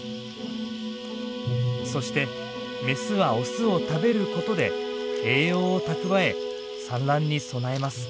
そしてメスはオスを食べることで栄養を蓄え産卵に備えます。